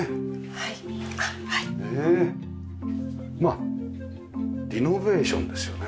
まあリノベーションですよね。